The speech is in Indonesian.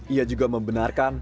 ia juga membenarkan